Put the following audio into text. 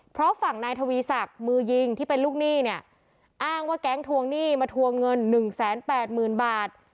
เพราะฝั่งนายธวีศักดิ์มือยิงที่เป็นลูกหนี้เนี้ยอ้างว่าแก๊งทวงหนี้มาทวมเงินหนึ่งแสนแปดหมื่นบาท